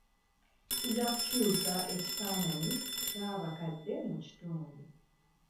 Kijja kukyusa ekifaananyi ky'abakadde mu kitundu.